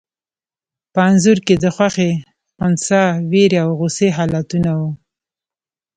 په انځور کې د خوښي، خنثی، وېرې او غوسې حالتونه وو.